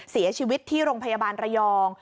เสียชีวิตที่โรงพยาบาลระยอง